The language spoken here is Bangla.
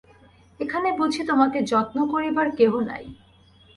এখানে বুঝি তােমাকে যত্ন করিবার কেহ নাই!